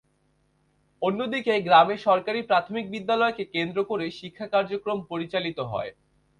অন্যদিকে গ্রামে সরকারি প্রাথমিক বিদ্যালয়কে কেন্দ্র করেই শিক্ষা কার্যক্রম পরিচালিত হয়।